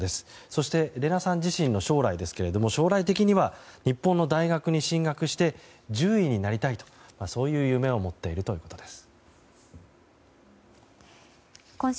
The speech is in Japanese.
そして、レナさん自身の将来ですけども将来的には日本の大学に進学して獣医になりたいとそういう夢を持っているということです。